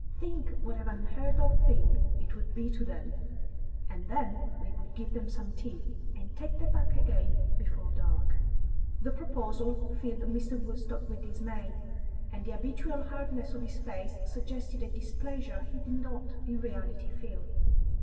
Think what an unheard of thing it would be to them! And then we would give them some tea, and take them back again before dark." The proposal filled Mr. Woodstock with dismay, and the habitual hardness of his face suggested a displeasure he did not in reality feel.